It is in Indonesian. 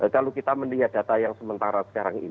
kalau kita melihat data yang sementara sekarang ini